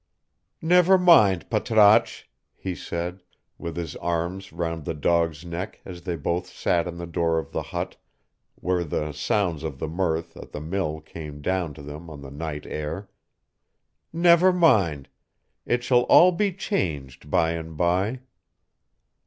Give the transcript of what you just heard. "Never mind, Patrasche," he said, with his arms round the dog's neck as they both sat in the door of the hut, where the sounds of the mirth at the mill came down to them on the night air "never mind. It shall all be changed by and by."